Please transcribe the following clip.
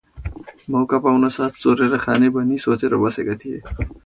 मौका पाउनासाथ चोरेर खाने भनी सोचेर बसेका थिए ।